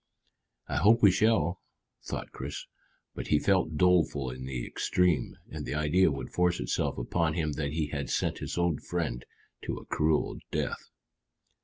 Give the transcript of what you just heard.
"I hope we shall," thought Chris, but he felt doleful in the extreme, and the idea would force itself upon him that he had sent his old friend to a cruel death.